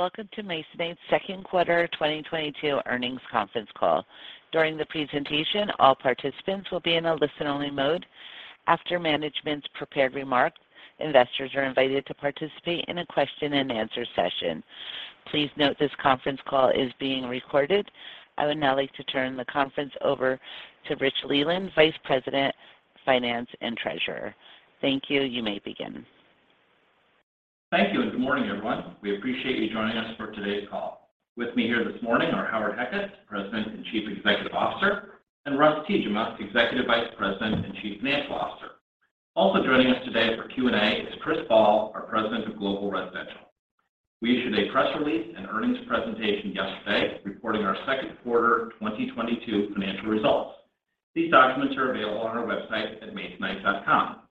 Welcome to Masonite's second quarter 2022 earnings conference call. During the presentation, all participants will be in a listen-only mode. After management's prepared remarks, investors are invited to participate in a question-and-answer session. Please note this conference call is being recorded. I would now like to turn the conference over to Rich Leland, Vice President, Finance and Treasurer. Thank you. You may begin. Thank you and good morning, everyone. We appreciate you joining us for today's call. With me here this morning are Howard Heckes, President and Chief Executive Officer, and Russ Tiejema, Executive Vice President and Chief Financial Officer. Also joining us today for Q&A is Chris Ball, our President of Global Residential. We issued a press release and earnings presentation yesterday reporting our second quarter 2022 financial results. These documents are available on our website at masonite.com.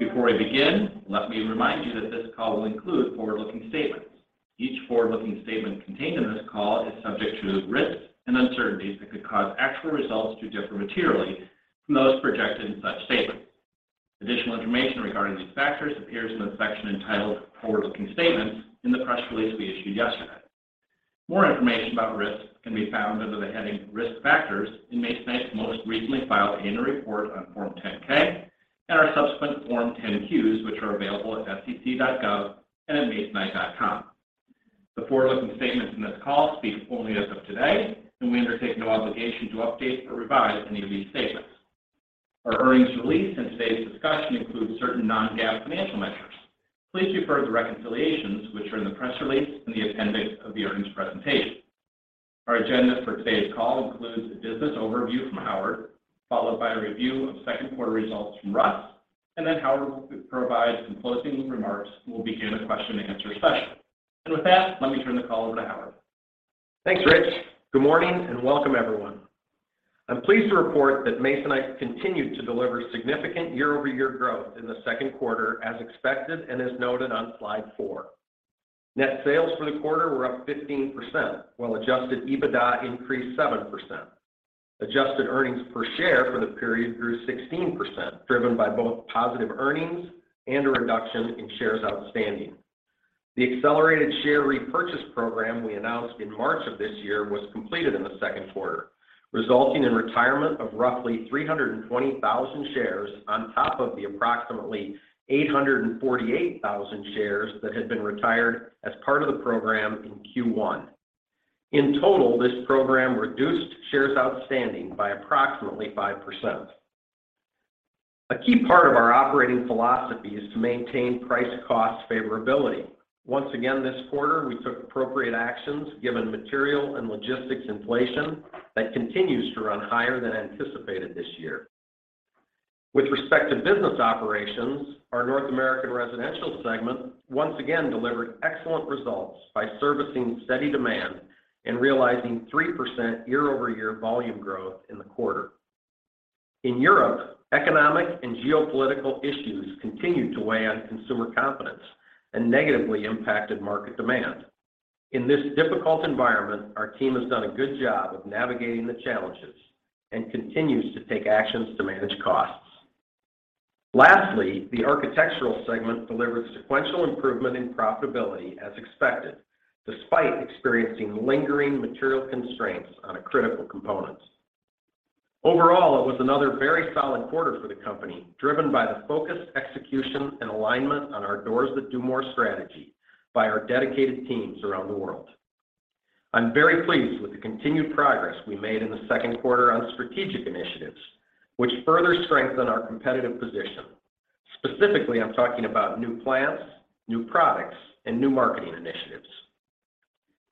Before we begin, let me remind you that this call will include forward-looking statements. Each forward-looking statement contained in this call is subject to risks and uncertainties that could cause actual results to differ materially from those projected in such statements. Additional information regarding these factors appears in the section entitled Forward-Looking Statements in the press release we issued yesterday. More information about risks can be found under the heading Risk Factors in Masonite's most recently filed annual report on Form 10-K and our subsequent Form 10-Qs, which are available at sec.gov and at masonite.com. The forward-looking statements in this call speak only as of today, and we undertake no obligation to update or revise any of these statements. Our earnings release and today's discussion include certain non-GAAP financial measures. Please refer to the reconciliations which are in the press release in the appendix of the earnings presentation. Our agenda for today's call includes a business overview from Howard, followed by a review of second quarter results from Russ, and then Howard will provide some closing remarks, and we'll begin a question-and-answer session. With that, let me turn the call over to Howard. Thanks, Rich. Good morning and welcome everyone. I'm pleased to report that Masonite continued to deliver significant year-over-year growth in the second quarter as expected and as noted on slide four. Net sales for the quarter were up 15%, while adjusted EBITDA increased 7%. Adjusted earnings per share for the period grew 16%, driven by both positive earnings and a reduction in shares outstanding. The accelerated share repurchase program we announced in March of this year was completed in the second quarter, resulting in retirement of roughly 320,000 shares on top of the approximately 848,000 shares that had been retired as part of the program in Q1. In total, this program reduced shares outstanding by approximately 5%. A key part of our operating philosophy is to maintain price-cost favorability. Once again this quarter, we took appropriate actions given material and logistics inflation that continues to run higher than anticipated this year. With respect to business operations, our North American Residential segment once again delivered excellent results by servicing steady demand and realizing 3% year-over-year volume growth in the quarter. In Europe, economic and geopolitical issues continued to weigh on consumer confidence and negatively impacted market demand. In this difficult environment, our team has done a good job of navigating the challenges and continues to take actions to manage costs. Lastly, the Architectural segment delivered sequential improvement in profitability as expected, despite experiencing lingering material constraints on critical components. Overall, it was another very solid quarter for the company, driven by the focused execution and alignment on our Doors That Do More strategy by our dedicated teams around the world. I'm very pleased with the continued progress we made in the second quarter on strategic initiatives, which further strengthen our competitive position. Specifically, I'm talking about new plants, new products, and new marketing initiatives.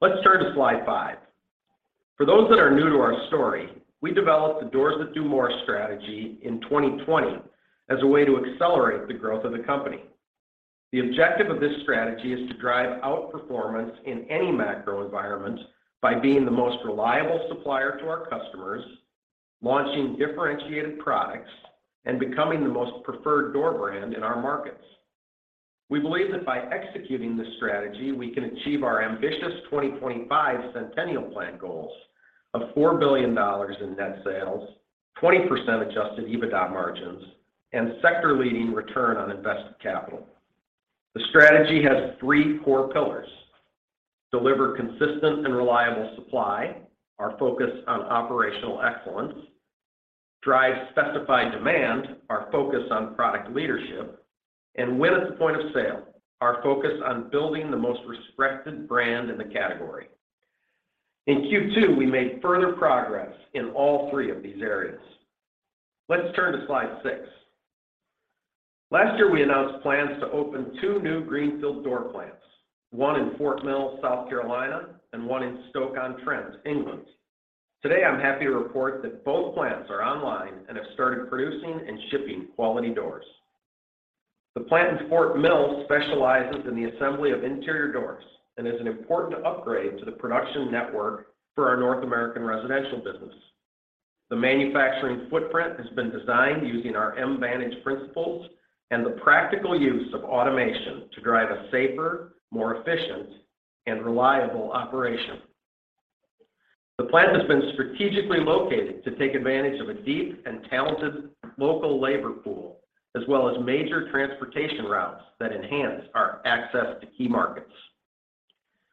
Let's turn to slide five. For those that are new to our story, we developed the Doors That Do More strategy in 2020 as a way to accelerate the growth of the company. The objective of this strategy is to drive outperformance in any macro environment by being the most reliable supplier to our customers, launching differentiated products, and becoming the most preferred door brand in our markets. We believe that by executing this strategy, we can achieve our ambitious 2025 Centennial Plan goals of $4 billion in net sales, 20% adjusted EBITDA margins, and sector-leading return on invested capital. The strategy has three core pillars. Deliver consistent and reliable supply, our focus on operational excellence. Drive specified demand, our focus on product leadership. Win at the point of sale, our focus on building the most respected brand in the category. In Q2, we made further progress in all three of these areas. Let's turn to slide six. Last year, we announced plans to open two new greenfield door plants, one in Fort Mill, South Carolina, and one in Stoke-on-Trent, England. Today, I'm happy to report that both plants are online and have started producing and shipping quality doors. The plant in Fort Mill specializes in the assembly of interior doors and is an important upgrade to the production network for our North American Residential business. The manufacturing footprint has been designed using our MVantage principles and the practical use of automation to drive a safer, more efficient, and reliable operation. The plant has been strategically located to take advantage of a deep and talented local labor pool, as well as major transportation routes that enhance our access to key markets.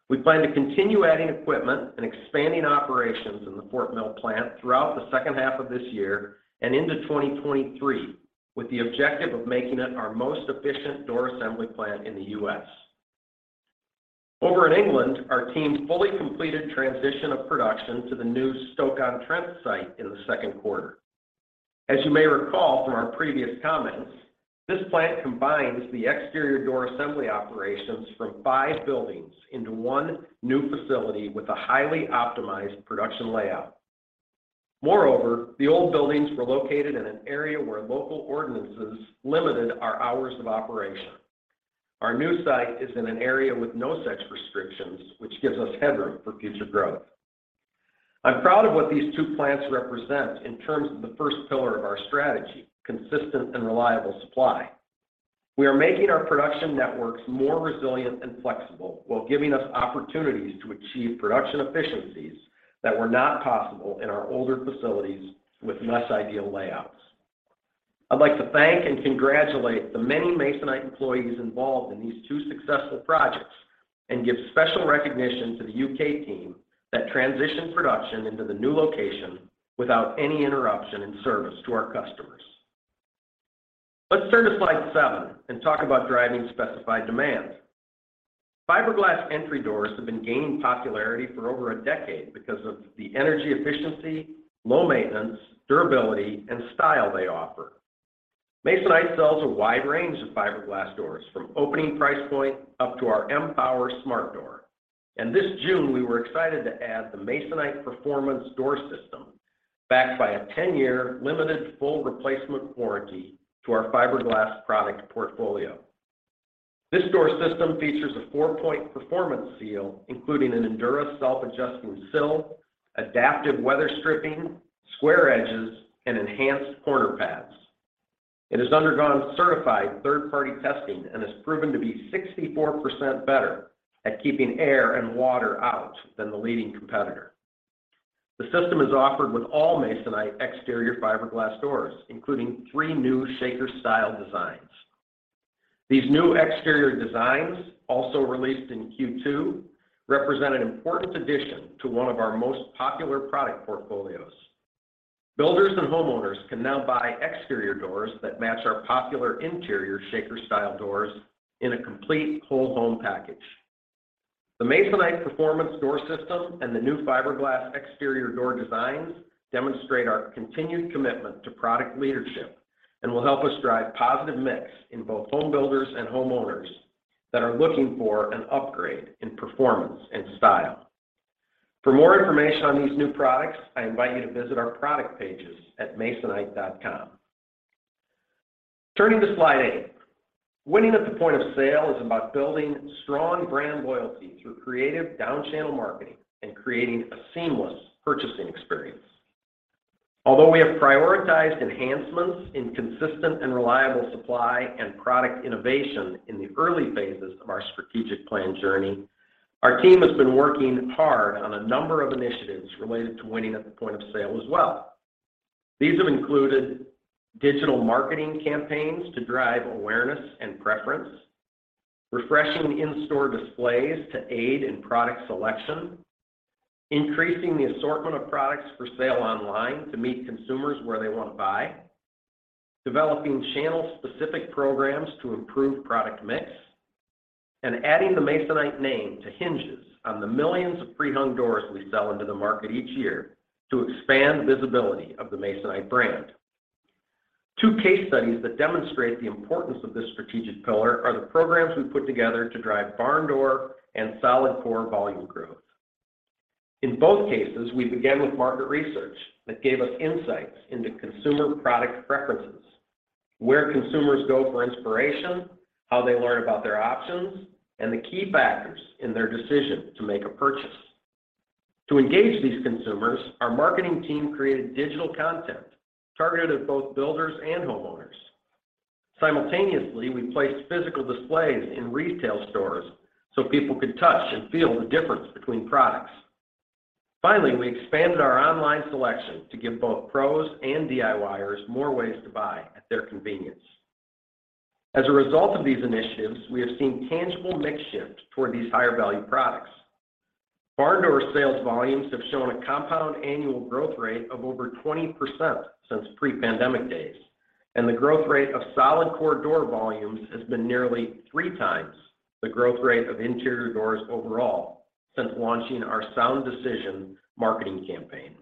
We plan to continue adding equipment and expanding operations in the Fort Mill plant throughout the second half of this year and into 2023, with the objective of making it our most efficient door assembly plant in the U.S. Over in England, our team fully completed transition of production to the new Stoke-on-Trent site in the second quarter. As you may recall from our previous comments, this plant combines the exterior door assembly operations from five buildings into one new facility with a highly optimized production layout. Moreover, the old buildings were located in an area where local ordinances limited our hours of operation. Our new site is in an area with no such restrictions, which gives us headroom for future growth. I'm proud of what these two plants represent in terms of the first pillar of our strategy, consistent and reliable supply. We are making our production networks more resilient and flexible while giving us opportunities to achieve production efficiencies that were not possible in our older facilities with less ideal layouts. I'd like to thank and congratulate the many Masonite employees involved in these two successful projects and give special recognition to the U.K. team that transitioned production into the new location without any interruption in service to our customers. Let's turn to slide seven and talk about driving specified demand. Fiberglass entry doors have been gaining popularity for over a decade because of the energy efficiency, low maintenance, durability, and style they offer. Masonite sells a wide range of fiberglass doors from opening price point up to our M-Pwr smart door. This June, we were excited to add the Masonite Performance Door System, backed by a 10-year limited full replacement warranty to our fiberglass product portfolio. This door system features a 4-point performance seal, including an Endura self-adjusting sill, adaptive weather stripping, square edges, and enhanced corner pads. It has undergone certified third-party testing and has proven to be 64% better at keeping air and water out than the leading competitor. The system is offered with all Masonite exterior fiberglass doors, including three new shaker-style designs. These new exterior designs, also released in Q2, represent an important addition to one of our most popular product portfolios. Builders and homeowners can now buy exterior doors that match our popular interior shaker-style doors in a complete whole home package. The Masonite Performance Door System and the new fiberglass exterior door designs demonstrate our continued commitment to product leadership and will help us drive positive mix in both home builders and homeowners that are looking for an upgrade in performance and style. For more information on these new products, I invite you to visit our product pages at masonite.com. Turning to slide eight. Winning at the point of sale is about building strong brand loyalty through creative downchannel marketing and creating a seamless purchasing experience. Although we have prioritized enhancements in consistent and reliable supply and product innovation in the early phases of our strategic plan journey, our team has been working hard on a number of initiatives related to winning at the point of sale as well. These have included digital marketing campaigns to drive awareness and preference, refreshing in-store displays to aid in product selection, increasing the assortment of products for sale online to meet consumers where they want to buy, developing channel-specific programs to improve product mix, and adding the Masonite name to hinges on the millions of pre-hung doors we sell into the market each year to expand visibility of the Masonite brand. Two case studies that demonstrate the importance of this strategic pillar are the programs we put together to drive barn door and solid core volume growth. In both cases, we began with market research that gave us insights into consumer product preferences, where consumers go for inspiration, how they learn about their options, and the key factors in their decision to make a purchase. To engage these consumers, our marketing team created digital content targeted at both builders and homeowners. Simultaneously, we placed physical displays in retail stores so people could touch and feel the difference between products. Finally, we expanded our online selection to give both pros and DIYers more ways to buy at their convenience. As a result of these initiatives, we have seen tangible mix shifts toward these higher value products. Barn door sales volumes have shown a compound annual growth rate of over 20% since pre-pandemic days, and the growth rate of solid core door volumes has been nearly 3x the growth rate of interior doors overall since launching our Sound Decision marketing campaign.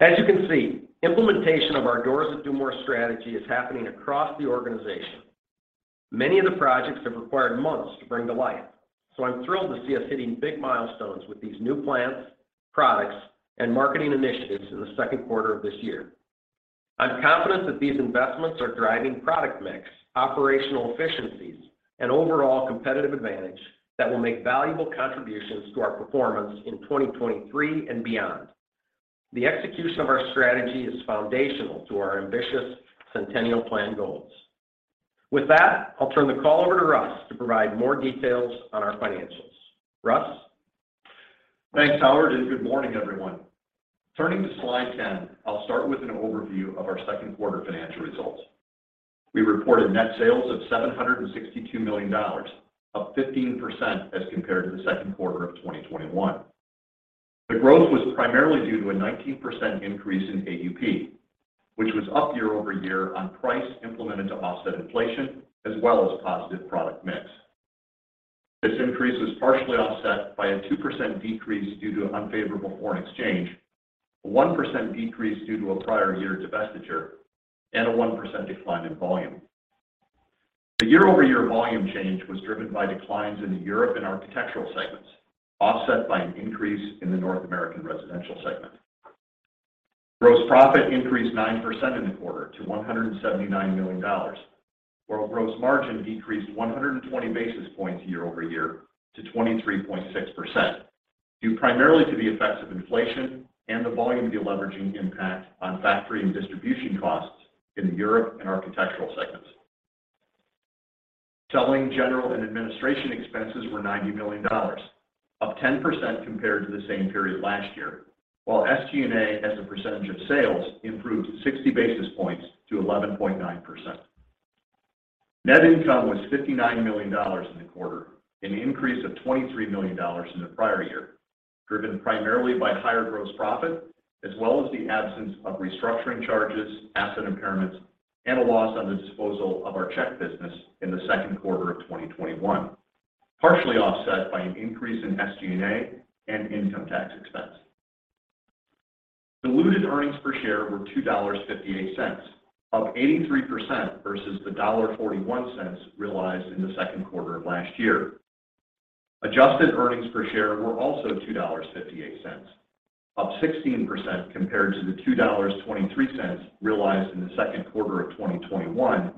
As you can see, implementation of our Doors That Do More strategy is happening across the organization. Many of the projects have required months to bring to life, so I'm thrilled to see us hitting big milestones with these new plants, products, and marketing initiatives in the second quarter of this year. I'm confident that these investments are driving product mix, operational efficiencies, and overall competitive advantage that will make valuable contributions to our performance in 2023 and beyond. The execution of our strategy is foundational to our ambitious Centennial Plan goals. With that, I'll turn the call over to Russ to provide more details on our financials. Russ? Thanks, Howard, and good morning, everyone. Turning to slide 10, I'll start with an overview of our second quarter financial results. We reported net sales of $762 million, up 15% as compared to the second quarter of 2021. The growth was primarily due to a 19% increase in AUP, which was up year-over-year on price implemented to offset inflation as well as positive product mix. This increase was partially offset by a 2% decrease due to unfavorable foreign exchange, a 1% decrease due to a prior year divestiture, and a 1% decline in volume. The year-over-year volume change was driven by declines in the Europe and Architectural segments, offset by an increase in the North American Residential segment. Gross profit increased 9% in the quarter to $179 million, while gross margin decreased 120 basis points year-over-year to 23.6% due primarily to the effects of inflation and the volume deleveraging impact on factory and distribution costs in the Europe and Architectural segments. Selling, general, and administration expenses were $90 million, up 10% compared to the same period last year, while SG&A as a percentage of sales improved 60 basis points to 11.9%. Net income was $59 million in the quarter, an increase of $23 million in the prior year, driven primarily by higher gross profit as well as the absence of restructuring charges, asset impairments, and a loss on the disposal of our Czech business in the second quarter of 2021, partially offset by an increase in SG&A and income tax expense. Diluted earnings per share were $2.58, up 83% versus the $1.41 realized in the second quarter of last year. Adjusted earnings per share were also $2.58, up 16% compared to the $2.23 realized in the second quarter of 2021,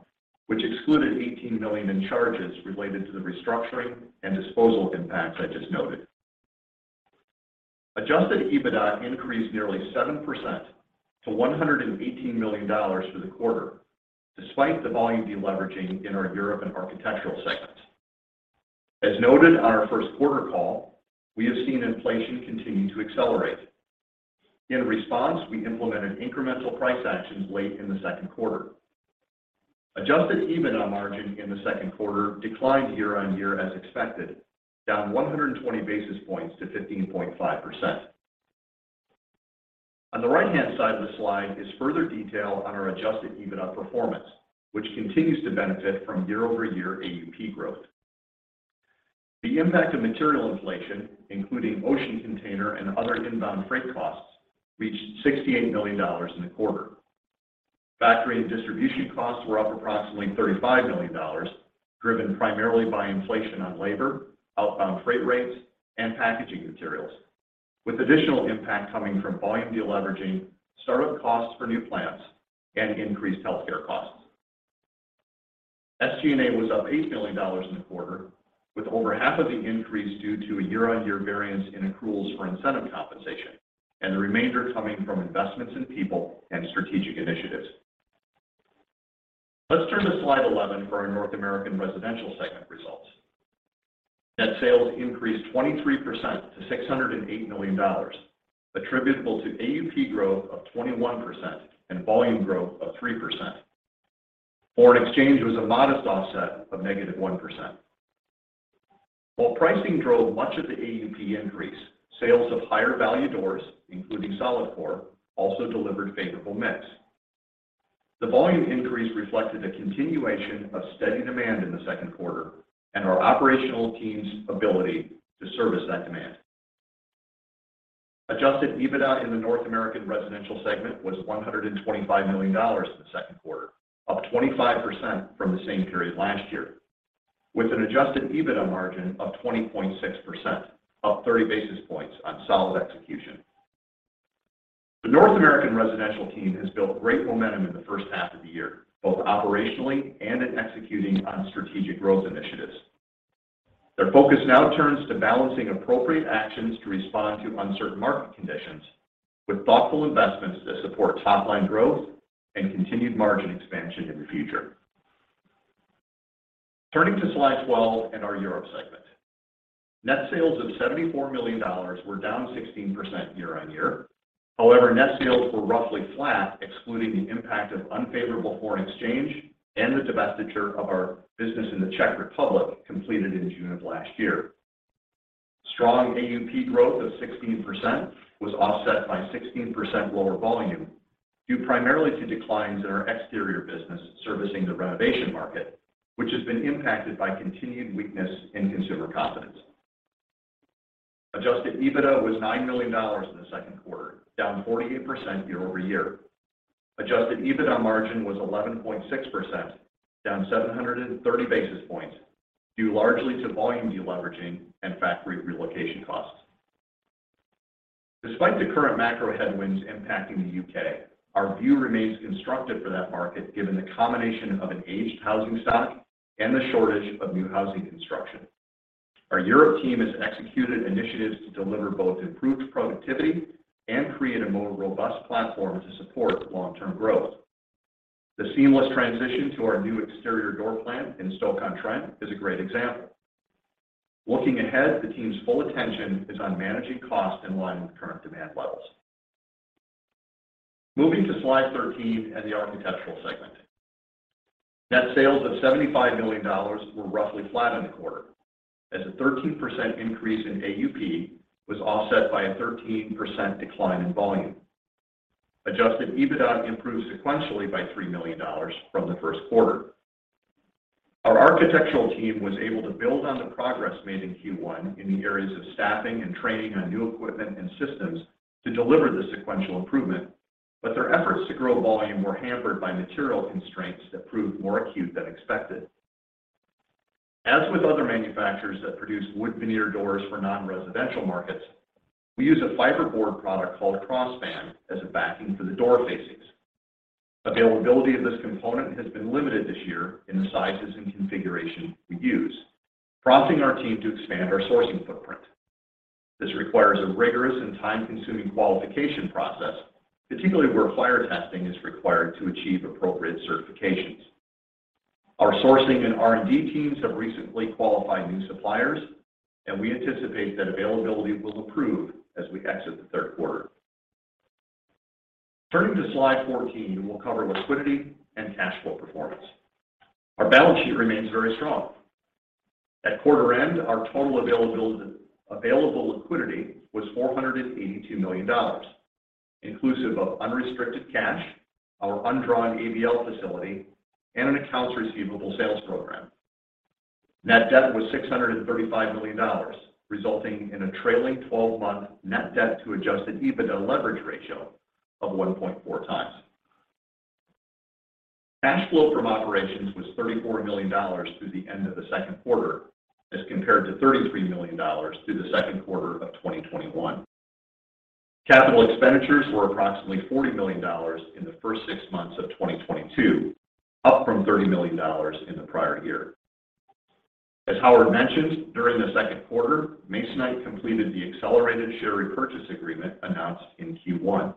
which excluded $18 million in charges related to the restructuring and disposal impacts I just noted. Adjusted EBITDA increased nearly 7% to $118 million for the quarter, despite the volume deleveraging in our Europe and Architectural segments. As noted on our first quarter call, we have seen inflation continue to accelerate. In response, we implemented incremental price actions late in the second quarter. Adjusted EBITDA margin in the second quarter declined year-on-year as expected, down 120 basis points to 15.5%. On the right-hand side of the slide is further detail on our adjusted EBITDA performance, which continues to benefit from year-over-year AUP growth. The impact of material inflation, including ocean container and other inbound freight costs, reached $68 million in the quarter. Factory and distribution costs were up approximately $35 million, driven primarily by inflation on labor, outbound freight rates, and packaging materials, with additional impact coming from volume deleveraging, startup costs for new plants, and increased healthcare costs. SG&A was up $8 million in the quarter, with over half of the increase due to a year-on-year variance in accruals for incentive compensation and the remainder coming from investments in people and strategic initiatives. Let's turn to slide 11 for our North American Residential segment results. Net sales increased 23% to $608 million, attributable to AUP growth of 21% and volume growth of 3%. Foreign exchange was a modest offset of -1%. While pricing drove much of the AUP increase, sales of higher value doors, including solid core, also delivered favorable mix. The volume increase reflected a continuation of steady demand in the second quarter and our operational team's ability to service that demand. Adjusted EBITDA in the North American Residential segment was $125 million in the second quarter, up 25% from the same period last year, with an adjusted EBITDA margin of 20.6%, up 30 basis points on solid execution. The North American Residential team has built great momentum in the first half of the year, both operationally and in executing on strategic growth initiatives. Their focus now turns to balancing appropriate actions to respond to uncertain market conditions with thoughtful investments that support top-line growth and continued margin expansion in the future. Turning to slide 12 and our Europe segment. Net sales of $74 million were down 16% year-on-year. However, net sales were roughly flat, excluding the impact of unfavorable foreign exchange and the divestiture of our business in the Czech Republic completed in June of last year. Strong AUP growth of 16% was offset by 16% lower volume, due primarily to declines in our exterior business servicing the renovation market, which has been impacted by continued weakness in consumer confidence. Adjusted EBITDA was $9 million in the second quarter, down 48% year-over-year. Adjusted EBITDA margin was 11.6%, down 730 basis points, due largely to volume deleveraging and factory relocation costs. Despite the current macro headwinds impacting the U.K., our view remains constructive for that market given the combination of an aged housing stock and the shortage of new housing construction. Our Europe team has executed initiatives to deliver both improved productivity and create a more robust platform to support long-term growth. The seamless transition to our new exterior door plant in Stoke-on-Trent is a great example. Looking ahead, the team's full attention is on managing cost in line with current demand levels. Moving to slide 13 and the Architectural segment. Net sales of $75 million were roughly flat in the quarter as a 13% increase in AUP was offset by a 13% decline in volume. Adjusted EBITDA improved sequentially by $3 million from the first quarter. Our Architectural team was able to build on the progress made in Q1 in the areas of staffing and training on new equipment and systems to deliver the sequential improvement, but their efforts to grow volume were hampered by material constraints that proved more acute than expected. As with other manufacturers that produce wood veneer doors for non-residential markets, we use a fiberboard product called Crossband as a backing for the door facings. Availability of this component has been limited this year in the sizes and configurations we use, prompting our team to expand our sourcing footprint. This requires a rigorous and time-consuming qualification process, particularly where fire testing is required to achieve appropriate certifications. Our sourcing and R&D teams have recently qualified new suppliers, and we anticipate that availability will improve as we exit the third quarter. Turning to slide 14, we'll cover liquidity and cash flow performance. Our balance sheet remains very strong. At quarter-end, our total available liquidity was $482 million, inclusive of unrestricted cash, our undrawn ABL facility, and an accounts receivable sales program. Net debt was $635 million, resulting in a trailing 12-month net debt to adjusted EBITDA leverage ratio of 1.4x. Cash flow from operations was $34 million through the end of the second quarter as compared to $33 million through the second quarter of 2021. Capital expenditures were approximately $40 million in the first six months of 2022, up from $30 million in the prior year. As Howard mentioned, during the second quarter, Masonite completed the accelerated share repurchase agreement announced in Q1.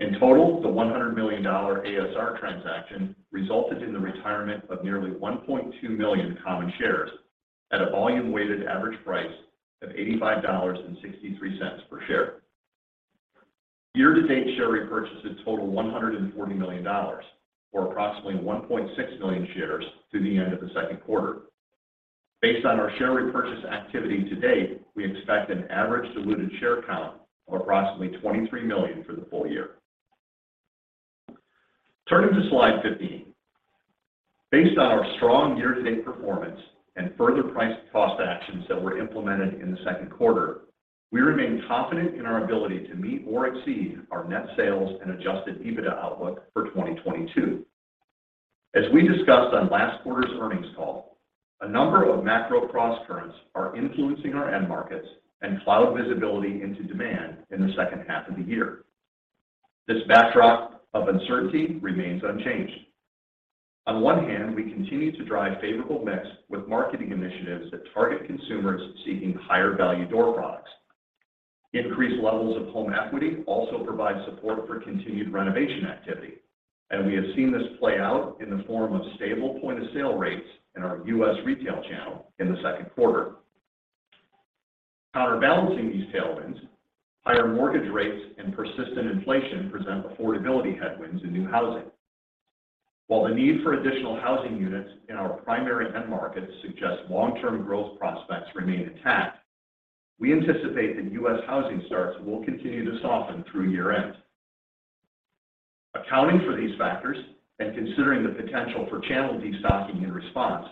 In total, the $100 million ASR transaction resulted in the retirement of nearly 1.2 million common shares at a volume-weighted average price of $85.63 per share. Year-to-date share repurchases total $140 million, or approximately 1.6 million shares through the end of the second quarter. Based on our share repurchase activity to date, we expect an average diluted share count of approximately 23 million for the full year. Turning to slide 15. Based on our strong year-to-date performance and further price cost actions that were implemented in the second quarter, we remain confident in our ability to meet or exceed our net sales and adjusted EBITDA outlook for 2022. As we discussed on last quarter's earnings call, a number of macro crosscurrents are influencing our end markets and cloud visibility into demand in the second half of the year. This backdrop of uncertainty remains unchanged. On one hand, we continue to drive favorable mix with marketing initiatives that target consumers seeking higher-value door products. Increased levels of home equity also provide support for continued renovation activity, and we have seen this play out in the form of stable point-of-sale rates in our U.S. retail channel in the second quarter. Counterbalancing these tailwinds, higher mortgage rates and persistent inflation present affordability headwinds in new housing. While the need for additional housing units in our primary end markets suggest long-term growth prospects remain intact, we anticipate that U.S. housing starts will continue to soften through year-end. Accounting for these factors and considering the potential for channel destocking in response,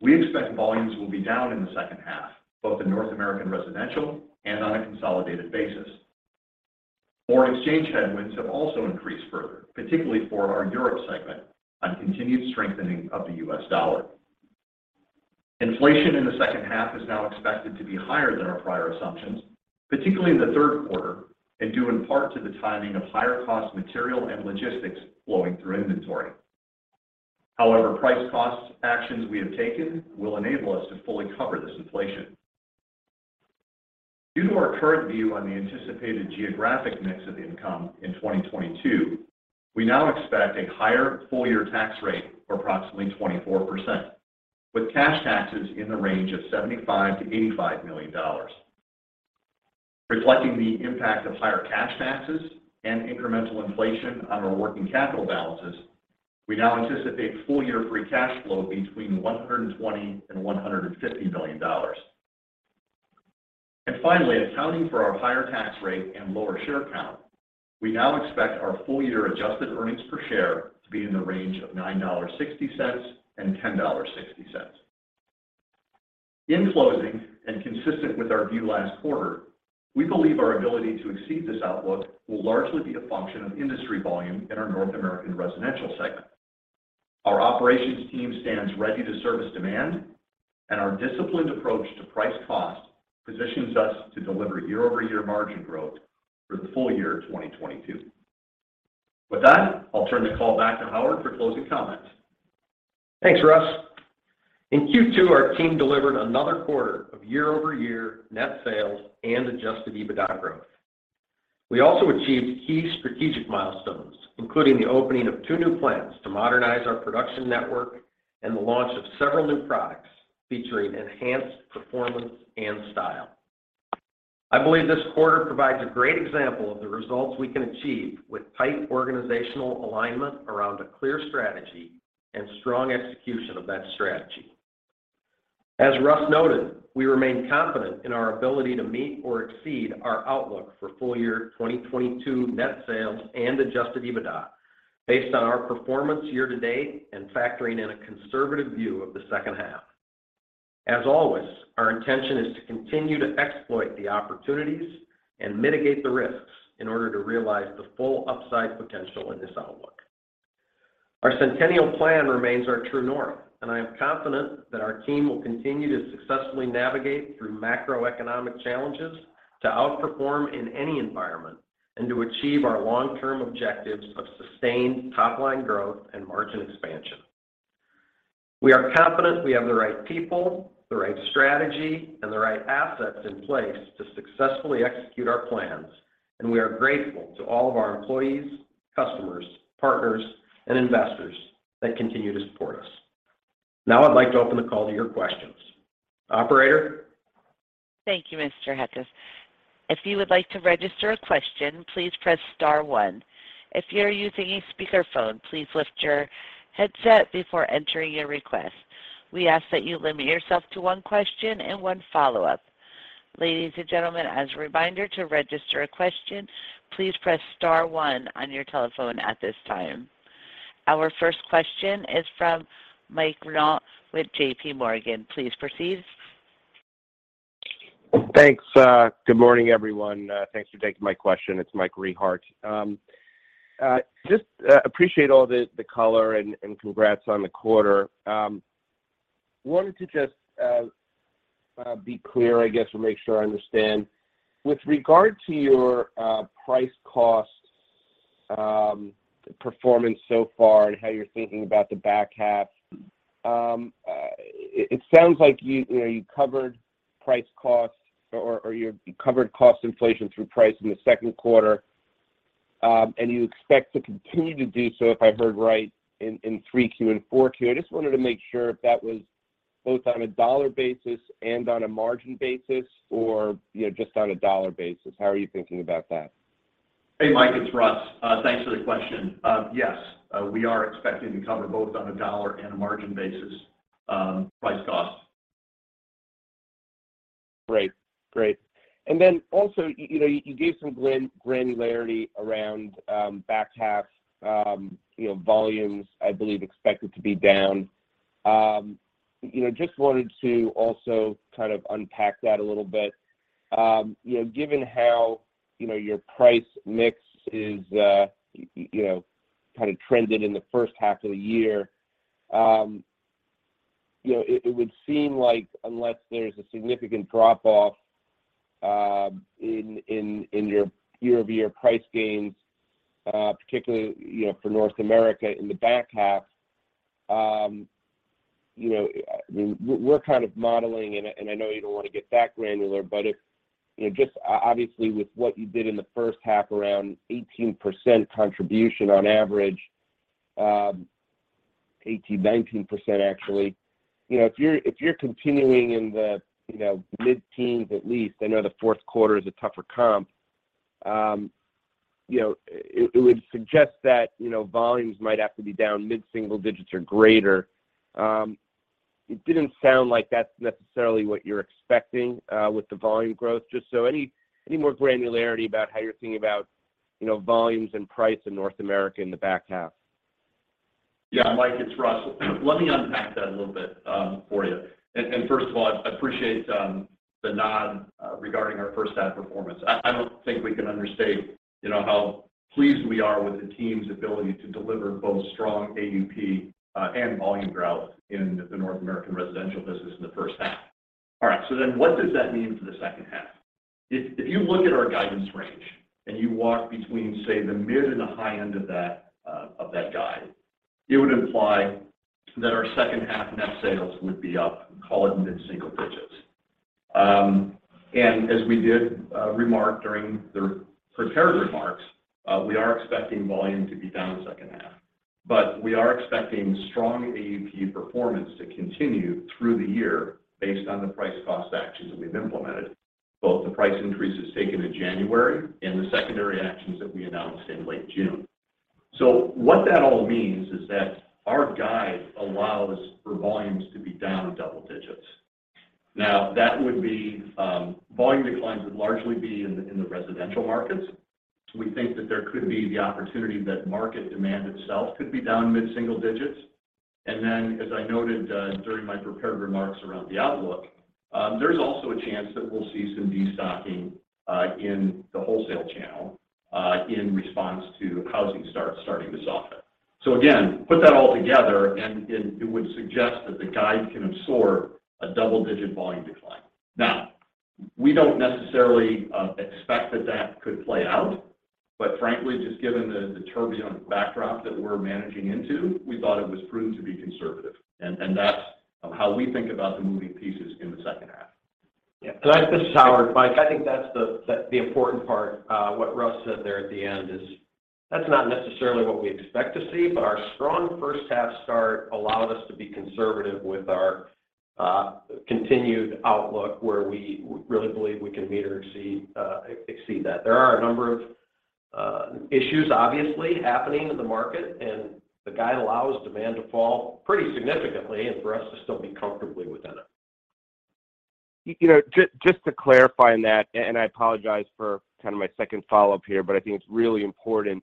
we expect volumes will be down in the second half, both in North American Residential and on a consolidated basis. Foreign exchange headwinds have also increased further, particularly for our Europe segment, on continued strengthening of the U.S. dollar. Inflation in the second half is now expected to be higher than our prior assumptions, particularly in the third quarter, and due in part to the timing of higher-cost material and logistics flowing through inventory. However, price-cost actions we have taken will enable us to fully cover this inflation. Due to our current view on the anticipated geographic mix of income in 2022, we now expect a higher full-year tax rate of approximately 24%, with cash taxes in the range of $75 million-$85 million. Reflecting the impact of higher cash taxes and incremental inflation on our working capital balances, we now anticipate full-year free cash flow between $120 million and $150 million. Finally, accounting for our higher tax rate and lower share count, we now expect our full-year adjusted earnings per share to be in the range of $9.60 and $10.60. In closing, and consistent with our view last quarter, we believe our ability to exceed this outlook will largely be a function of industry volume in our North American Residential segment. Our operations team stands ready to service demand, and our disciplined approach to price-cost positions us to deliver year-over-year margin growth for the full year 2022. With that, I'll turn the call back to Howard for closing comments. Thanks, Russ. In Q2, our team delivered another quarter of year-over-year net sales and adjusted EBITDA growth. We also achieved key strategic milestones, including the opening of two new plants to modernize our production network and the launch of several new products featuring enhanced performance and style. I believe this quarter provides a great example of the results we can achieve with tight organizational alignment around a clear strategy and strong execution of that strategy. As Russ noted, we remain confident in our ability to meet or exceed our outlook for full year 2022 net sales and adjusted EBITDA based on our performance year-to-date and factoring in a conservative view of the second half. As always, our intention is to continue to exploit the opportunities and mitigate the risks in order to realize the full upside potential in this outlook. Our Centennial Plan remains our true north, and I am confident that our team will continue to successfully navigate through macroeconomic challenges to outperform in any environment and to achieve our long-term objectives of sustained top-line growth and margin expansion. We are confident we have the right people, the right strategy, and the right assets in place to successfully execute our plans, and we are grateful to all of our employees, customers, partners, and investors that continue to support us. Now I'd like to open the call to your questions. Operator? Thank you, Mr. Heckes. If you would like to register a question, please press star one. If you're using a speakerphone, please lift your headset before entering your request. We ask that you limit yourself to one question and one follow-up. Ladies and gentlemen, as a reminder, to register a question, please press star one on your telephone at this time. Our first question is from Mike Rehaut with JPMorgan. Please proceed. Thanks. Good morning, everyone. Thanks for taking my question. It's Mike Rehaut. Just appreciate all the color and congrats on the quarter. Wanted to just be clear, I guess, or make sure I understand. With regard to your price cost performance so far and how you're thinking about the back half, it sounds like you know you covered price costs or you covered cost inflation through price in the second quarter, and you expect to continue to do so, if I heard right, in 3Q and 4Q. I just wanted to make sure if that was both on a dollar basis and on a margin basis or, you know, just on a dollar basis. How are you thinking about that? Hey, Mike, it's Russ. Thanks for the question. Yes, we are expecting to cover both on a dollar and a margin basis, price cost. Great. You know, you gave some granularity around back half, you know, volumes, I believe, expected to be down. You know, just wanted to also kind of unpack that a little bit. You know, given how, you know, your price mix is, you know, kind of trended in the first half of the year, you know, it would seem like unless there's a significant drop-off in your year-over-year price gains, particularly, you know, for North America in the back half, you know, I mean, we're kind of modeling, and I know you don't want to get that granular, but if, you know, just obviously with what you did in the first half around 18% contribution on average, 18%, 19% actually. You know, if you're continuing in the, you know, mid-teens at least, I know the fourth quarter is a tougher comp, you know, it would suggest that, you know, volumes might have to be down mid-single digits or greater. It didn't sound like that's necessarily what you're expecting with the volume growth. Just so any more granularity about how you're thinking about, you know, volumes and price in North America in the back half? Yeah, Mike, it's Russ. Let me unpack that a little bit for you. First of all, I appreciate the nod regarding our first half performance. I don't think we can understate, you know, how pleased we are with the team's ability to deliver both strong AUP and volume growth in the North American Residential business in the first half. All right. What does that mean for the second half? If you look at our guidance range and you walk between, say, the mid and the high end of that guide, it would imply that our second half net sales would be up, call it mid-single digits. And as we did remark during the prepared remarks, we are expecting volume to be down second half. But, we are expecting strong AUP performance to continue through the year based on the price cost actions that we've implemented, both the price increases taken in January and the secondary actions that we announced in late June. What that all means is that our guide allows for volumes to be down double digits. Now, that would be volume declines would largely be in the residential markets. We think that there could be the opportunity that market demand itself could be down mid-single digits. Then, as I noted during my prepared remarks around the outlook, there's also a chance that we'll see some destocking in the wholesale channel in response to housing starts starting to soften. Again, put that all together and it would suggest that the guide can absorb a double-digit volume decline. Now we don't necessarily expect that could play out. Frankly, just given the turbulent backdrop that we're managing into, we thought it was prudent to be conservative. That's how we think about the moving pieces in the second half. Yeah. This is Howard. Mike, I think that's the important part, what Russ said there at the end is that's not necessarily what we expect to see, but our strong first half start allowed us to be conservative with our continued outlook, where we really believe we can meet or exceed that. There are a number of issues obviously happening in the market, and the guide allows demand to fall pretty significantly and for us to still be comfortably within it. You know, just to clarify on that, and I apologize for kind of my second follow-up here, but I think it's really important.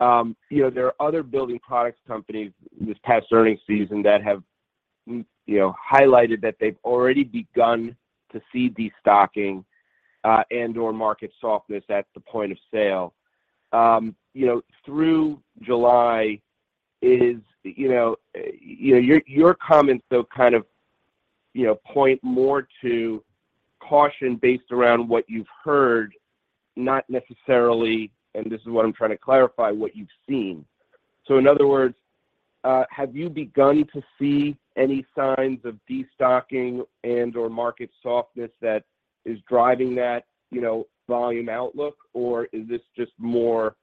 You know, there are other building products companies this past earnings season that have, you know, highlighted that they've already begun to see destocking, and/or market softness at the point of sale. You know, through July. You know, your comments though kind of, you know, point more to caution based around what you've heard, not necessarily, and this is what I'm trying to clarify, what you've seen. In other words, have you begun to see any signs of destocking and/or market softness that is driving that, you know, volume outlook, or is this just more,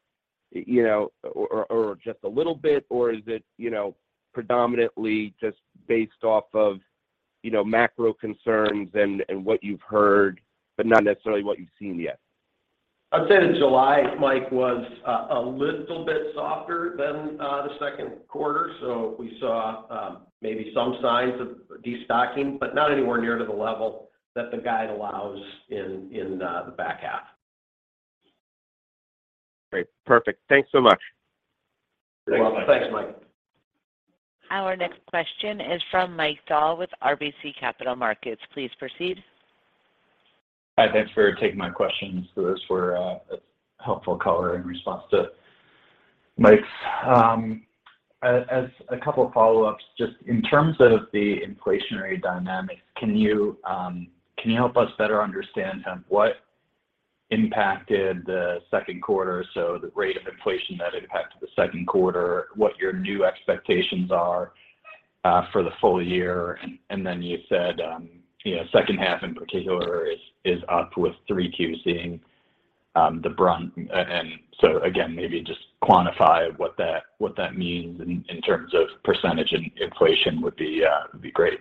you know, or just a little bit, or is it, you know, predominantly just based off of, you know, macro concerns and what you've heard, but not necessarily what you've seen yet? I'd say that July, Mike, was a little bit softer than the second quarter. We saw maybe some signs of destocking, but not anywhere near to the level that the guide allows in the back half. Great. Perfect. Thanks so much. You're welcome. Thanks, Mike. Our next question is from Mike Dahl with RBC Capital Markets. Please proceed. Hi. Thanks for taking my questions. Those were a helpful color in response to Mike's. As a couple of follow-ups, just in terms of the inflationary dynamics, can you help us better understand kind of what impacted the second quarter, so the rate of inflation that impacted the second quarter, what your new expectations are for the full year? Then you said, you know, second half in particular is up with 3Q seeing the brunt. Again, maybe just quantify what that means in terms of percent inflation would be great.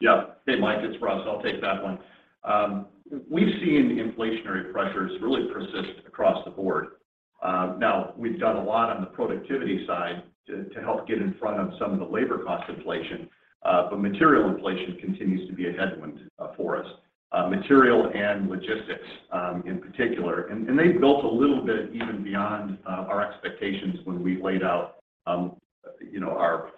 Yeah. Hey, Mike, it's Russ. I'll take that one. We've seen inflationary pressures really persist across the board. Now we've done a lot on the productivity side to help get in front of some of the labor cost inflation, but material inflation continues to be a headwind for us, material and logistics, in particular. They've built a little bit even beyond our expectations when we laid out, you know, our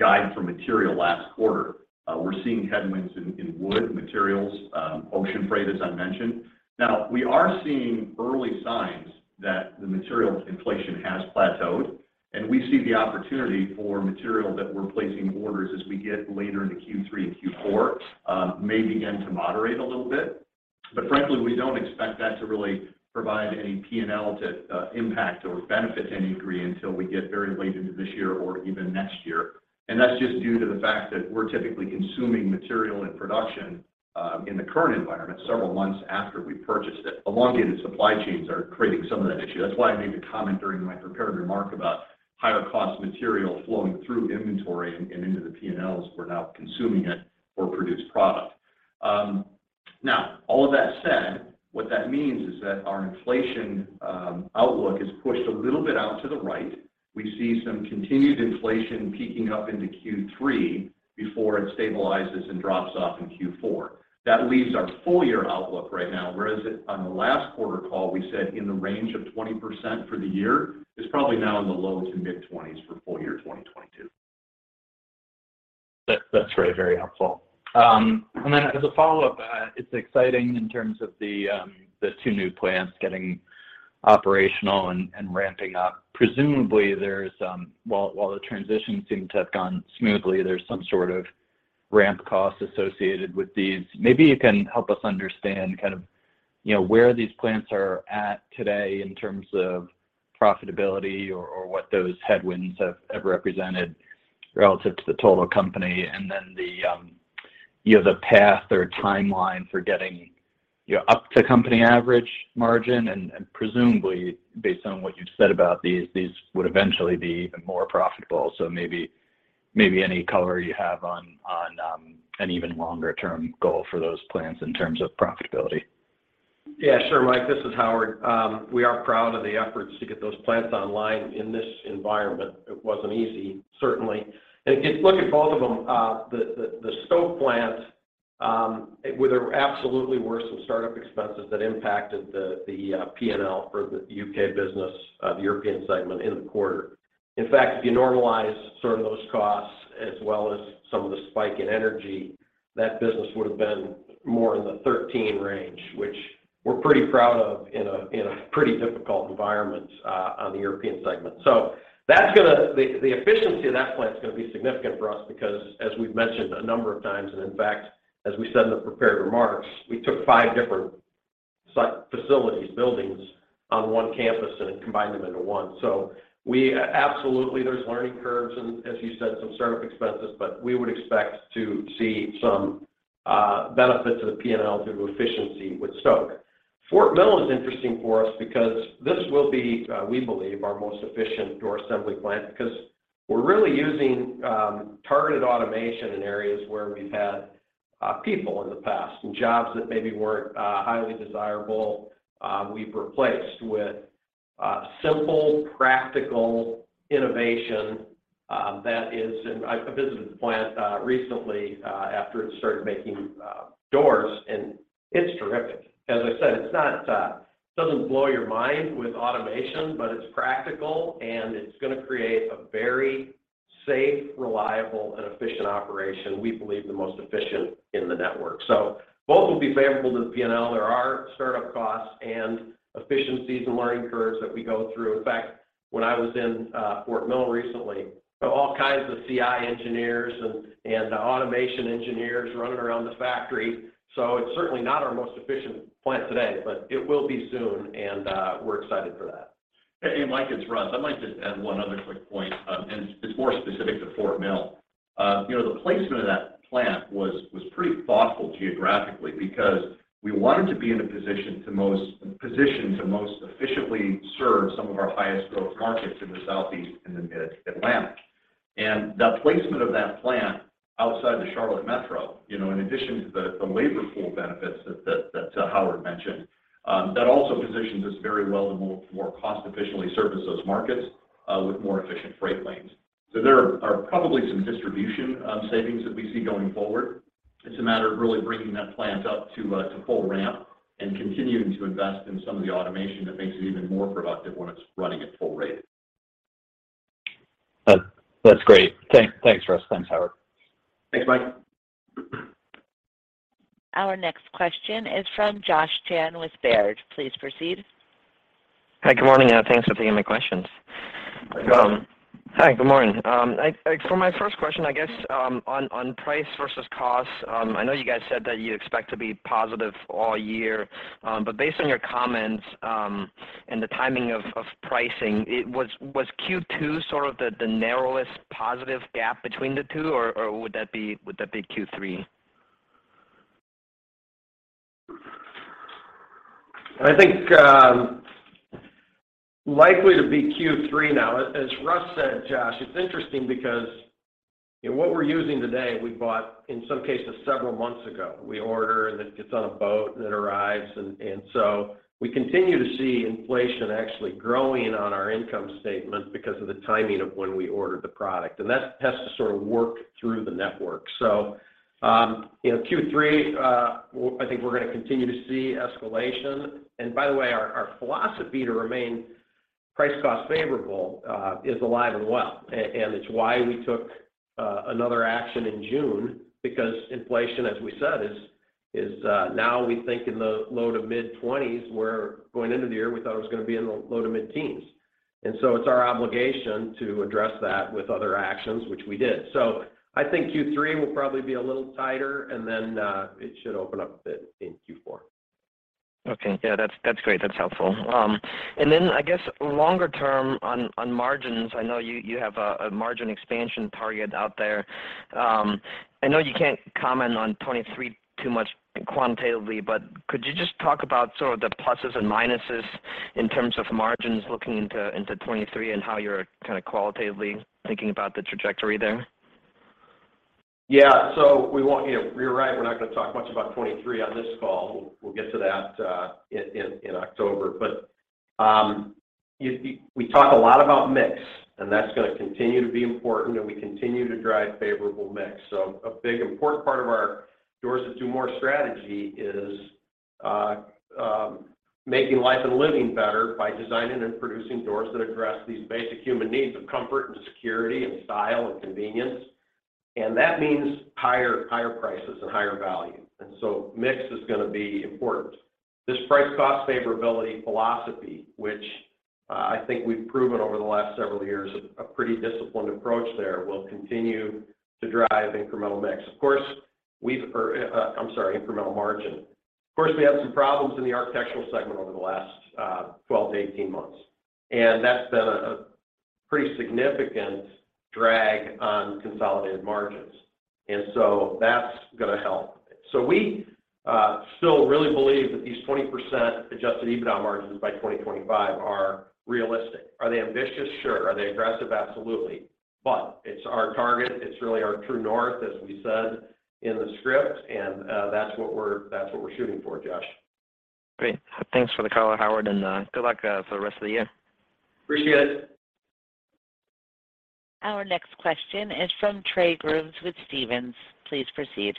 guide for material last quarter. We're seeing headwinds in wood materials, ocean freight, as I mentioned. Now, we are seeing early signs that the material inflation has plateaued, and we see the opportunity for material that we're placing orders as we get later into Q3 and Q4, may begin to moderate a little bit. Frankly, we don't expect that to really provide any P&L impact or benefit any degree until we get very late into this year or even next year. That's just due to the fact that we're typically consuming material in production in the current environment several months after we purchased it. Elongated supply chains are creating some of that issue. That's why I made the comment during my prepared remark about higher cost material flowing through inventory and into the P&Ls. We're now consuming it to produce product. Now all of that said, what that means is that our inflation outlook is pushed a little bit out to the right. We see some continued inflation peaking up into Q3 before it stabilizes and drops off in Q4. That leaves our full year outlook right now, whereas on the last quarter call, we said in the range of 20% for the year, is probably now in the low- to mid-20s for full year 2022. That's very, very helpful. As a follow-up, it's exciting in terms of the two new plants getting operational and ramping up. Presumably, while the transition seemed to have gone smoothly, there's some sort of ramp cost associated with these. Maybe you can help us understand kind of, you know, where these plants are at today in terms of profitability or what those headwinds have represented relative to the total company. You know, the path or timeline for getting, you know, up to company average margin. Presumably, based on what you've said about these would eventually be even more profitable. Maybe any color you have on an even longer term goal for those plants in terms of profitability. Yeah, sure, Mike. This is Howard. We are proud of the efforts to get those plants online in this environment. It wasn't easy, certainly. If you look at both of them, the Stoke plant, where there absolutely were some startup expenses that impacted the P&L for the U.K. business, the European segment in the quarter. In fact, if you normalize sort of those costs as well as some of the spike in energy, that business would have been more in the 13% range, which We're pretty proud of in a pretty difficult environment on the European segment. The efficiency of that plant's gonna be significant for us because as we've mentioned a number of times, and in fact as we said in the prepared remarks, we took five different facilities, buildings on one campus and combined them into one. We absolutely, there's learning curves and as you said, some startup expenses, but we would expect to see some benefits of P&L through efficiency with Stoke. Fort Mill is interesting for us because this will be, we believe our most efficient door assembly plant because we're really using targeted automation in areas where we've had people in the past, and jobs that maybe weren't highly desirable, we've replaced with simple practical innovation that is, I visited the plant recently after it started making doors and it's terrific. As I said, doesn't blow your mind with automation, but it's practical and it's gonna create a very safe, reliable, and efficient operation, we believe the most efficient in the network. Both will be favorable to the P&L. There are startup costs and efficiencies and learning curves that we go through. In fact, when I was in Fort Mill recently, there were all kinds of CI engineers and automation engineers running around the factory. It's certainly not our most efficient plant today, but it will be soon and we're excited for that. Hey, Mike, it's Russ. I might just add one other quick point, and it's more specific to Fort Mill. You know, the placement of that plant was pretty thoughtful geographically because we wanted to be in a position to most efficiently serve some of our highest growth markets in the Southeast and the Mid-Atlantic. The placement of that plant outside the Charlotte Metro, you know, in addition to the labor pool benefits that Howard mentioned, that also positions us very well to more cost efficiently service those markets, with more efficient freight lanes. There are probably some distribution savings that we see going forward. It's a matter of really bringing that plant up to full ramp and continuing to invest in some of the automation that makes it even more productive when it's running at full rate. That's great. Thanks Russ. Thanks Howard. Thanks Mike. Our next question is from Josh Chan with Baird. Please proceed. Hi, good morning. Thanks for taking my questions. You're welcome. Hi, good morning. For my first question, I guess, on price versus cost, I know you guys said that you expect to be positive all year. But based on your comments, and the timing of pricing, was Q2 sort of the narrowest positive gap between the two, or would that be Q3? I think likely to be Q3 now. As Russ said, Josh, it's interesting because, you know, what we're using today, we bought in some cases several months ago. We order and it gets on a boat, then it arrives. We continue to see inflation actually growing on our income statement because of the timing of when we ordered the product, and that has to sort of work through the network. You know, Q3, I think we're gonna continue to see escalation. By the way, our philosophy to remain price cost favorable is alive and well and it's why we took another action in June because inflation, as we said, is now we think in the low- to mid-20s, where going into the year we thought it was gonna be in the low- to mid-teens. It's our obligation to address that with other actions, which we did. I think Q3 will probably be a little tighter and then, it should open up a bit in Q4. Okay. Yeah, that's great. That's helpful. I guess longer term on margins, I know you have a margin expansion target out there. I know you can't comment on 2023 too much quantitatively, but could you just talk about sort of the pluses and minuses in terms of margins looking into 2023 and how you're kind of qualitatively thinking about the trajectory there? Yeah. You're right, we're not gonna talk much about 2023 on this call. We'll get to that in October. We talk a lot about mix, and that's gonna continue to be important and we continue to drive favorable mix. A big important part of our Doors That Do More strategy is making life and living better by designing and producing doors that address these basic human needs of comfort and security and style and convenience. That means higher prices and higher value. Mix is gonna be important. This price cost favorability philosophy, which I think we've proven over the last several years, a pretty disciplined approach there, will continue to drive incremental margin. Of course, we had some problems in the architectural segment over the last 12-18 months, and that's been a pretty significant drag on consolidated margins, and so that's gonna help. We still really believe that these 20% adjusted EBITDA margins by 2025 are realistic. Are they ambitious? Sure. Are they aggressive? Absolutely. But it's our target. It's really our true north, as we said in the script, and that's what we're shooting for, Josh. Great. Thanks for the color, Howard, and good luck for the rest of the year. Appreciate it. Our next question is from Trey Grooms with Stephens. Please proceed.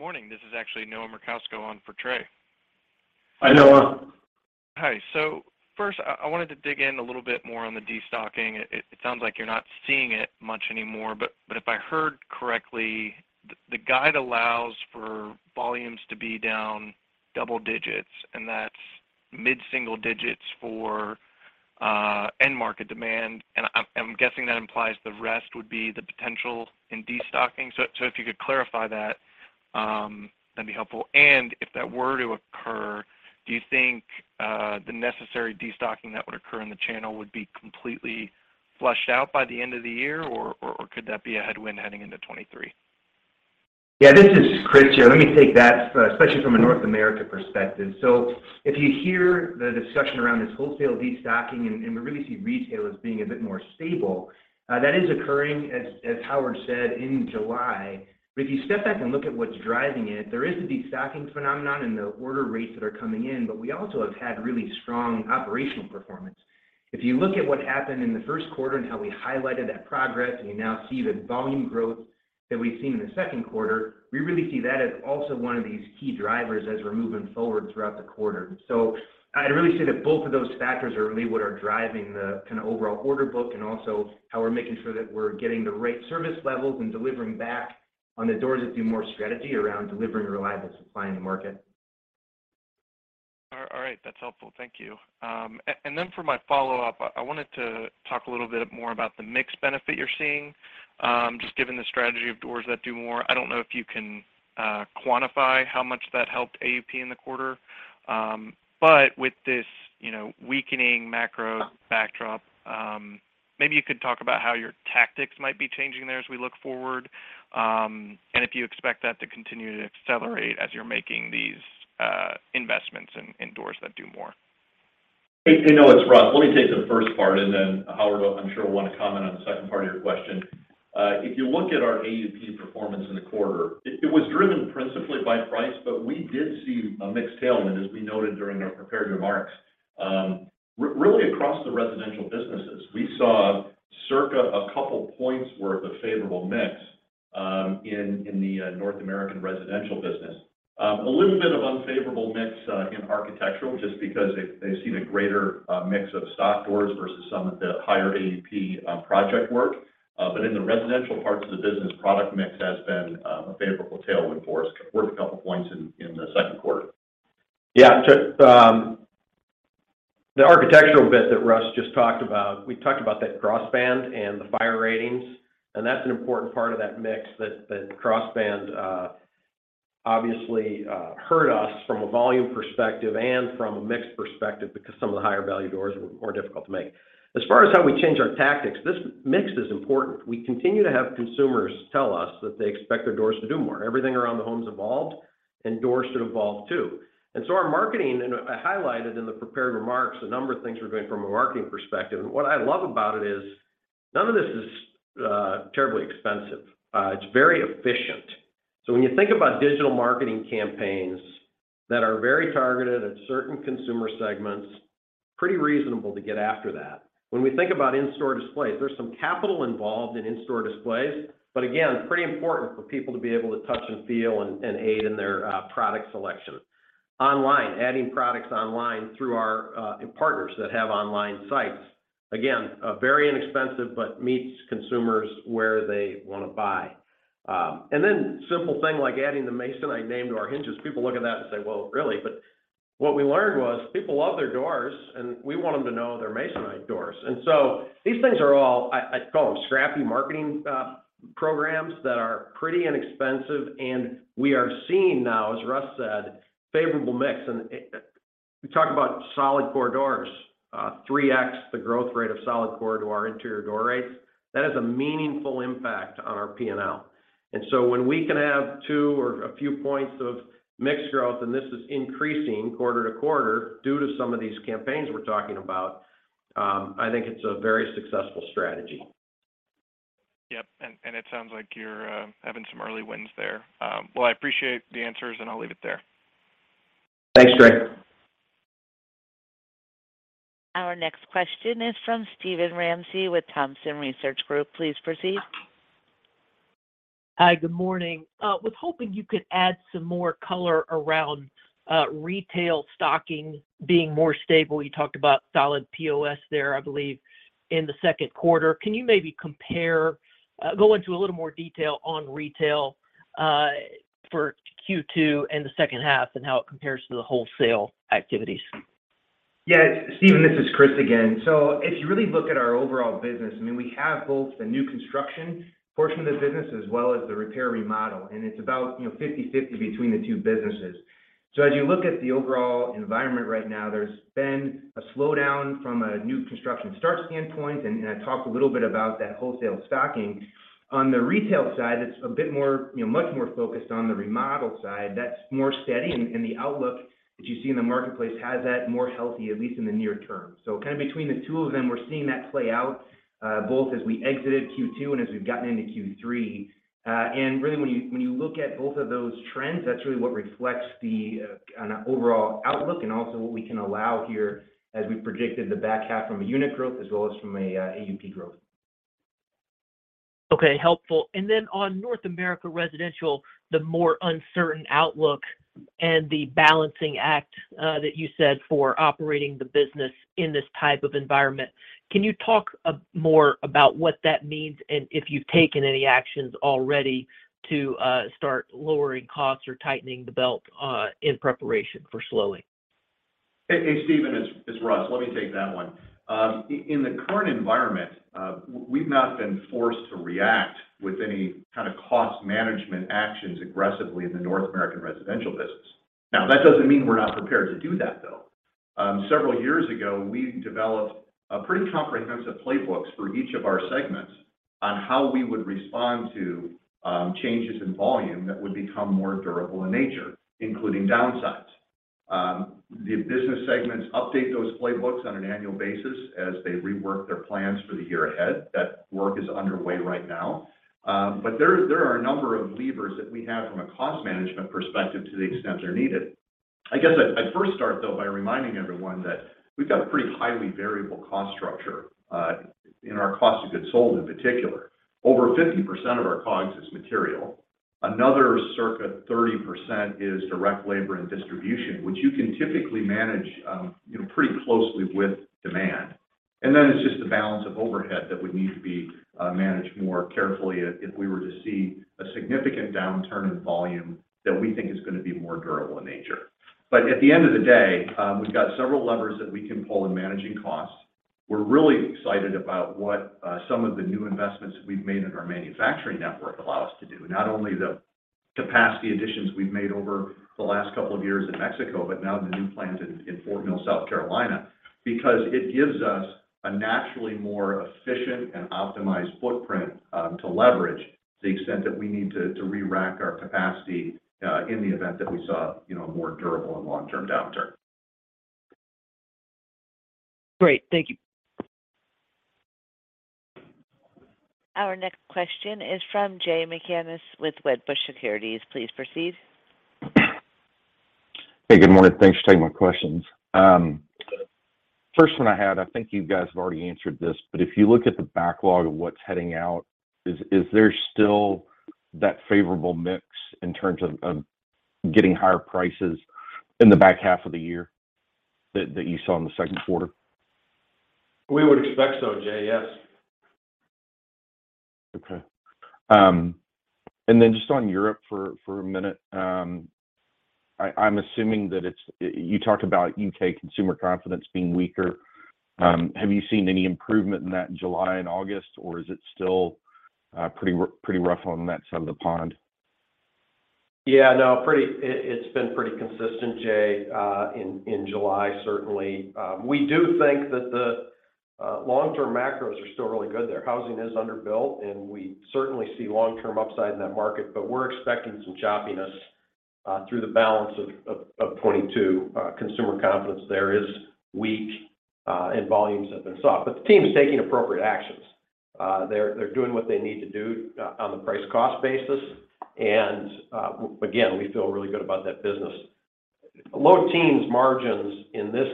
Morning. This is actually Noah Merkousko on for Trey. Hi, Noah. Hi. First, I wanted to dig in a little bit more on the destocking. It sounds like you're not seeing it much anymore, but if I heard correctly, the guide allows for volumes to be down double digits, and that's mid-single digits for end market demand. I'm guessing that implies the rest would be the potential in destocking. If you could clarify that'd be helpful. If that were to occur, do you think the necessary destocking that would occur in the channel would be completely flushed out by the end of the year? Or could that be a headwind heading into 2023? Yeah. This is Chris here. Let me take that, especially from a North America perspective. If you hear the discussion around this wholesale destocking, and we really see retail as being a bit more stable, that is occurring as Howard said in July. If you step back and look at what's driving it, there is a destocking phenomenon in the order rates that are coming in, but we also have had really strong operational performance. If you look at what happened in the first quarter and how we highlighted that progress, and you now see the volume growth that we've seen in the second quarter, we really see that as also one of these key drivers as we're moving forward throughout the quarter. I'd really say that both of those factors are really what are driving the kinda overall order book and also how we're making sure that we're getting the right service levels and delivering back on the Doors That Do More strategy around delivering reliable supply in the market. All right. That's helpful. Thank you. Then for my follow-up, I wanted to talk a little bit more about the mix benefit you're seeing, just given the strategy of Doors That Do More. I don't know if you can quantify how much that helped AUP in the quarter. With this, you know, weakening macro backdrop, maybe you could talk about how your tactics might be changing there as we look forward, and if you expect that to continue to accelerate as you're making these investments in Doors That Do More. Hey, Noah, it's Russ. Let me take the first part, and then Howard will, I'm sure, wanna comment on the second part of your question. If you look at our AUP performance in the quarter, it was driven principally by price, but we did see a mix tailwind, as we noted during our prepared remarks. Really across the residential businesses. We saw circa a couple points worth of favorable mix in the North American Residential business. A little bit of unfavorable mix in Architectural just because they've seen a greater mix of stock doors versus some of the higher AUP project work. But in the residential parts of the business, product mix has been a favorable tailwind for us, worth a couple points in the second quarter. Yeah. To the Architectural bit that Russ just talked about, we talked about that Crossband and the fire ratings, and that's an important part of that mix that Crossband obviously hurt us from a volume perspective and from a mix perspective because some of the higher value doors were more difficult to make. As far as how we change our tactics, this mix is important. We continue to have consumers tell us that they expect their doors to do more. Everything around the home has evolved, and doors should evolve too. Our marketing, and I highlighted in the prepared remarks a number of things we're doing from a marketing perspective. What I love about it is none of this is terribly expensive. It's very efficient. When you think about digital marketing campaigns that are very targeted at certain consumer segments, pretty reasonable to get after that. When we think about in-store displays, there's some capital involved in in-store displays, but again, pretty important for people to be able to touch and feel and aid in their product selection. Online, adding products online through our partners that have online sites, again, very inexpensive, but meets consumers where they wanna buy. Then simple thing like adding the Masonite name to our hinges. People look at that and say, "Well, really?" What we learned was people love their doors, and we want them to know they're Masonite doors. These things are all, I call them scrappy marketing programs that are pretty inexpensive, and we are seeing now, as Russ said, favorable mix. We talk about solid core doors. 3x the growth rate of solid core to our interior door rates. That has a meaningful impact on our P&L. When we can have two or a few points of mix growth, and this is increasing quarter to quarter due to some of these campaigns we're talking about, I think it's a very successful strategy. Yep. It sounds like you're having some early wins there. Well, I appreciate the answers, and I'll leave it there. Thanks, Noah. Our next question is from Steven Ramsey with Thompson Research Group. Please proceed. Hi. Good morning. Was hoping you could add some more color around, retail stocking being more stable. You talked about solid POS there, I believe, in the second quarter. Can you maybe compare, go into a little more detail on retail, for Q2 and the second half and how it compares to the wholesale activities? Yeah. Steven, this is Chris again. If you really look at our overall business, I mean, we have both the new construction portion of the business as well as the repair remodel, and it's about, you know, 50/50 between the two businesses. As you look at the overall environment right now, there's been a slowdown from a new construction start standpoint, and I talked a little bit about that wholesale stocking. On the retail side, it's a bit more, you know, much more focused on the remodel side. That's more steady, and the outlook that you see in the marketplace has that more healthy, at least in the near term. Kind of between the two of them, we're seeing that play out, both as we exited Q2 and as we've gotten into Q3. Really when you look at both of those trends, that's really what reflects the overall outlook and also what we can allow here as we predicted the back half from a unit growth as well as from a AUP growth. Okay, helpful. On North American Residential, the more uncertain outlook and the balancing act that you said for operating the business in this type of environment. Can you talk more about what that means and if you've taken any actions already to start lowering costs or tightening the belt in preparation for slowing? Hey Steven, it's Russ. Let me take that one. In the current environment, we've not been forced to react with any kind of cost management actions aggressively in the North American Residential business. Now, that doesn't mean we're not prepared to do that though. Several years ago, we developed a pretty comprehensive playbooks for each of our segments on how we would respond to changes in volume that would become more durable in nature, including downsides. The business segments update those playbooks on an annual basis as they rework their plans for the year ahead. That work is underway right now. There are a number of levers that we have from a cost management perspective to the extent they're needed. I guess I'd first start though by reminding everyone that we've got a pretty highly variable cost structure in our cost of goods sold in particular. Over 50% of our COGS is material. Another circa 30% is direct labor and distribution, which you can typically manage, you know, pretty closely with demand. Then it's just the balance of overhead that would need to be managed more carefully if we were to see a significant downturn in volume that we think is gonna be more durable in nature. At the end of the day, we've got several levers that we can pull in managing costs. We're really excited about what some of the new investments we've made in our manufacturing network allow us to do. Not only the capacity additions we've made over the last couple of years in Mexico, but now the new plant in Fort Mill, South Carolina. Because it gives us a naturally more efficient and optimized footprint to leverage the extent that we need to re-rack our capacity in the event that we saw, you know, a more durable and long-term downturn. Great. Thank you. Our next question is from Jay McCanless with Wedbush Securities. Please proceed. Hey, good morning. Thanks for taking my questions. First one I had, I think you guys have already answered this, but if you look at the backlog of what's heading out, is there still that favorable mix in terms of getting higher prices in the back half of the year that you saw in the second quarter? We would expect so, Jay. Yes. Okay. Just on Europe for a minute. You talked about U.K. consumer confidence being weaker. Have you seen any improvement in that in July and August, or is it still pretty rough on that side of the pond? It's been pretty consistent, Jay. In July certainly. We do think that the long-term macros are still really good there. Housing is underbuilt, and we certainly see long-term upside in that market. We're expecting some choppiness through the balance of 2022. Consumer confidence there is weak, and volumes have been soft. The team's taking appropriate actions. They're doing what they need to do on the price-cost basis. Again, we feel really good about that business. Low-teens margins in this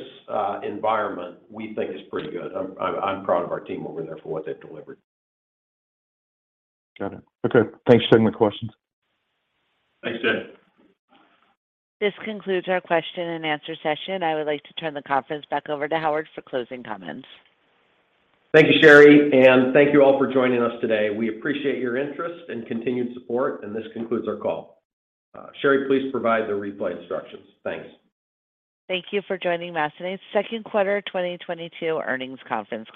environment we think is pretty good. I'm proud of our team over there for what they've delivered. Got it. Okay. Thanks for taking my questions. Thanks, Jay. This concludes our question and answer session. I would like to turn the conference back over to Howard for closing comments. Thank you, Sherry, and thank you all for joining us today. We appreciate your interest and continued support, and this concludes our call. Sherry, please provide the replay instructions. Thanks. Thank you for joining Masonite's second quarter 2022 earnings conference call.